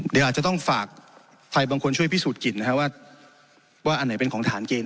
เดี๋ยวอาจจะต้องฝากไทยบางคนช่วยพิสูจนกลิ่นนะครับว่าอันไหนเป็นของทหารเกณฑ์